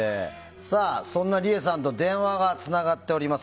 さあ、そんなりえさんと電話がつながっております。